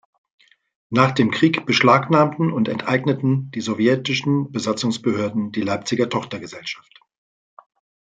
Nach dem Krieg beschlagnahmten und enteigneten die sowjetischen Besatzungsbehörden die Leipziger Tochtergesellschaft.